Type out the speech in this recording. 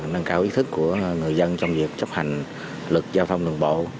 nâng cao ý thức của người dân trong việc chấp hành luật giao thông đường bộ